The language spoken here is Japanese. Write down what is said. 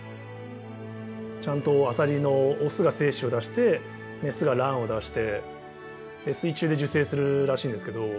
ちゃんとアサリのオスが精子を出してメスが卵を出してで水中で受精するらしいんですけど